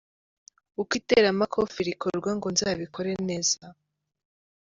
uko iteramakofe rikorwa ngo nzabikore neza.